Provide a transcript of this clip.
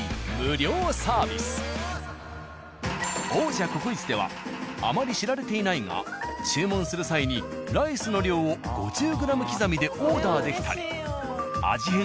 王者「ココイチ」ではあまり知られていないが注文する際にライスの量を５０ｇ刻みでオーダーできたり。